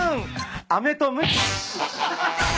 アメとムチ。